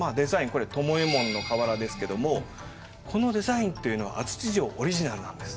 これ巴紋の瓦ですけどもこのデザインっていうのは安土城オリジナルなんです。